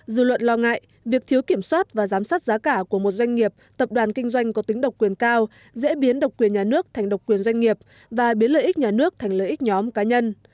dư luận lo ngại việc thiếu kiểm soát và giám sát giá cả của một doanh nghiệp tập đoàn kinh doanh có tính độc quyền cao dễ biến độc quyền nhà nước thành độc quyền doanh nghiệp và biến lợi ích nhà nước thành lợi ích nhóm cá nhân